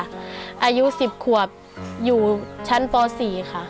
อายุ๑๐ขวบอยู่ชั้นป๔ค่ะ